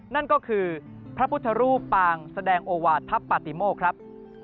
นั่นก็คือพระพุทธรูปปางแสดงโอวาสทัพปฏิโมกครับ